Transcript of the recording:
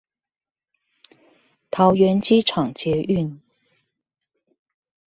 桃園機場捷運